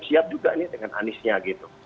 siap juga nih dengan aniesnya gitu